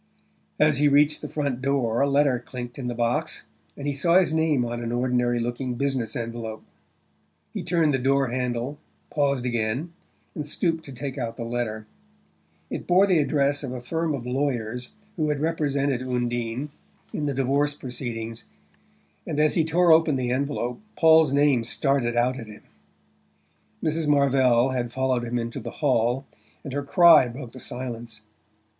As he reached the front door a letter clinked in the box, and he saw his name on an ordinary looking business envelope. He turned the door handle, paused again, and stooped to take out the letter. It bore the address of the firm of lawyers who had represented Undine in the divorce proceedings and as he tore open the envelope Paul's name started out at him. Mrs. Marvell had followed him into the hall, and her cry broke the silence.